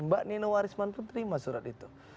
mbak nina warisman pun terima surat itu